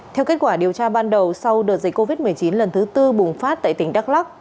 theo kết quả điều tra ban đầu sau đợt dịch covid một mươi chín lần thứ tư bùng phát tại tỉnh đắk lắc